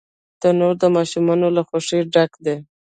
تنور د ماشومانو له خوښۍ ډک دی